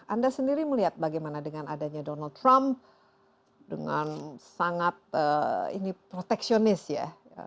anda sendiri melihat bagaimana dengan adanya donald trump dengan sangat ini proteksionis ya